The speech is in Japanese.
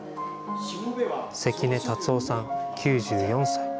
関根辰雄さん９４歳。